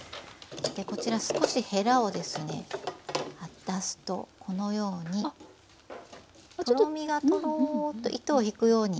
こちら少しへらをですね出すとこのようにとろみがトロッと糸を引くように。